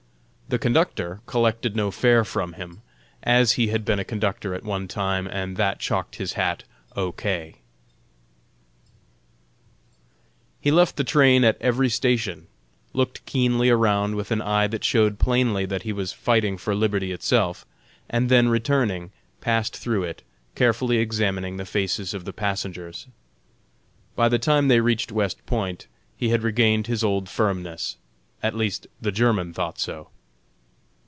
The conductor collected no fare from him, as he had been a conductor at one time, and that chalked his hat "O. K." He left the train at every station, looked keenly around with an eye that showed plainly that he was fighting for liberty itself, and then returning, passed through it, carefully examining the faces of the passengers. By the time they reached West Point he had regained his old firmness at least the German thought so.